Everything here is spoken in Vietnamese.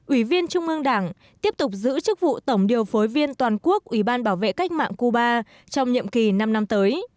ủy viên trung ương đảng tiếp tục giữ chức vụ tổng điều phối viên toàn quốc ủy ban bảo vệ cách mạng cuba trong nhiệm kỳ năm năm tới